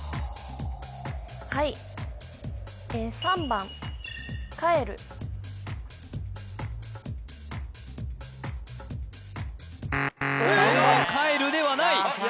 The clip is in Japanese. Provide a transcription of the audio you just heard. はい３番かえるではないえっ！？